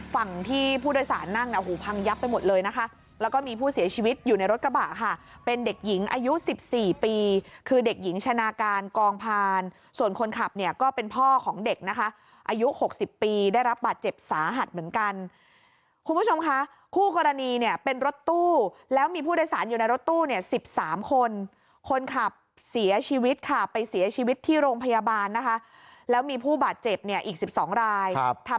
ฝั่งที่ผู้โดยสารนั่งเนี้ยหูพังยับไปหมดเลยนะคะแล้วก็มีผู้เสียชีวิตอยู่ในรถกระบะค่ะเป็นเด็กหญิงอายุสิบสี่ปีคือเด็กหญิงชนะการกองพานส่วนคนขับเนี้ยก็เป็นพ่อของเด็กนะคะอายุหกสิบปีได้รับบาดเจ็บสาหัสเหมือนกันคุณผู้ชมค่ะคู่กรณีเนี้ยเป็นรถตู้แล้วมีผู้โดยสารอยู่ในรถตู้เนี้ยสิบสามคนคนขับ